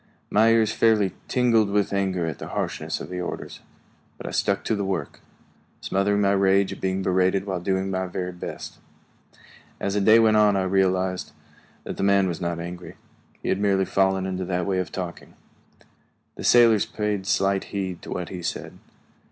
My ears fairly tingled with anger at the harshness of the orders, but I stuck to the work, smothering my rage at being berated while doing my very best. As the day went on I realized that the man was not angry; he had merely fallen into that way of talking. The sailors paid slight heed to what he said.